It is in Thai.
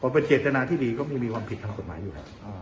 ปราเป็นเกรจารณาที่ดีก็ไม่มีความผิดทางกฎหมายอยู่น่ะ